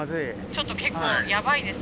ちょっと結構やばいです。